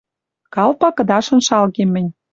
Калпак кыдашын шалгем мӹнь.